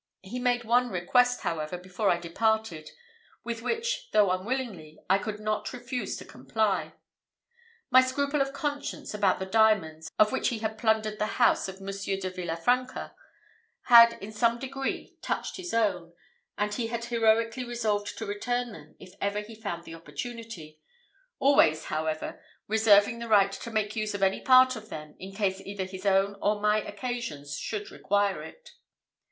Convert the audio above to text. He made one request, however, before I departed, with which, though unwillingly, I could not refuse to comply. My scruple of conscience about the diamonds of which he had plundered the house of Monsieur de Villafranca had in some degree touched his own, and he had heroically resolved to return them if ever he found the opportunity always, however, reserving the right to make use of any part of them in case either his own or my occasions should require it.